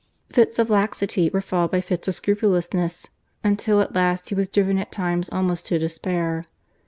Fits of laxity were followed by fits of scrupulousness until at last he was driven at times almost to despair.